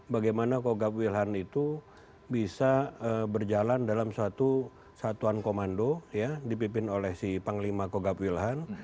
bagaimana kogak wilhan itu bisa berjalan dalam suatu satuan komando ya dipimpin oleh si panglima kogak wilhan